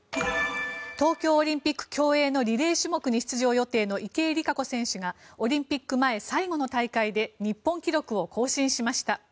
東京オリンピック競泳のリレー種目に出場予定の池江璃花子選手がオリンピック前最後の大会で日本記録を更新しました。